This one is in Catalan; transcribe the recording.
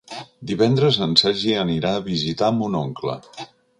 Divendres en Sergi anirà a visitar mon oncle.